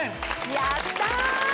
やった！